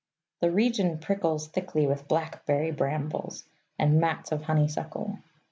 The region prickles thickly with blackberry brambles, and mats of honeysuckle.